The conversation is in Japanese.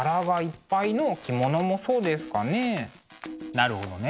なるほどね。